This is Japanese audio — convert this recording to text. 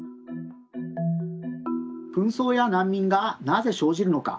紛争や難民がなぜ生じるのか？